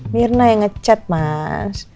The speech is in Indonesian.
mirna yang ngecat mas